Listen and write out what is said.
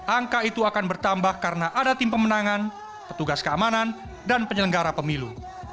angka itu akan bertambah karena ada tim pemenangan petugas keamanan dan penyelenggara pemilu